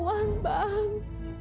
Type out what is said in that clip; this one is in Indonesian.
harus cari uang bang